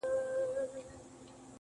او دده اوښكي لا په شړپ بهيدې.